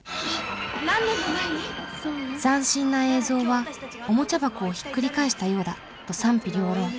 斬新な映像は「おもちゃ箱をひっくり返したようだ」と賛否両論。